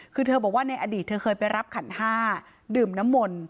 คือเธอบอกว่าในอดีตเธอเคยไปรับขันห้าดื่มน้ำมนต์